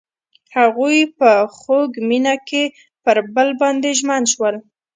هغوی په خوږ مینه کې پر بل باندې ژمن شول.